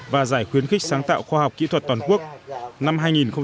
và giải khuyến khích sáng tạo khoa học kỹ thuật toàn quốc năm hai nghìn một mươi chín